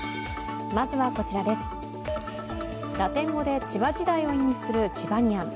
ラテン語で千葉時代を意味するチバニアン。